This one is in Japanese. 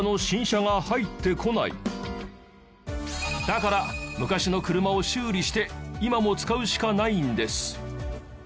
だから昔の車を修理して今も使うしかないんです。